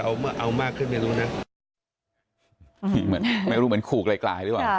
ของท่างฟังภูมิใจไทยแล้วใช่ไหมครับ